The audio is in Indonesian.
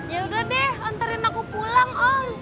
ya udah deh antarin aku pulang om